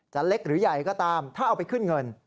เล็กหรือใหญ่ก็ตามถ้าเอาไปขึ้นเงิน